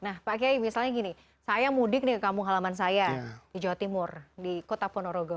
nah pak kiai misalnya gini saya mudik nih ke kampung halaman saya di jawa timur di kota ponorogo